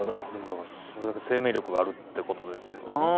それだけ生命力があるってことですよね。